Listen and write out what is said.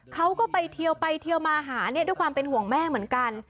เขาก็ไปเทียวมาหาด้วยความเป็นห่วงแม่เหมือนกัน